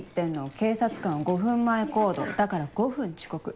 警察官は５分前行動だから５分遅刻。